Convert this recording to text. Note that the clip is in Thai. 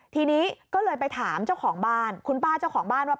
ทีนี้ก็เลยไปถามเจ้าของบ้านคุณป้าเจ้าของบ้านว่า